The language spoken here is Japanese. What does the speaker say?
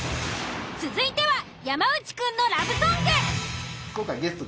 続いては山内くんのラブソング。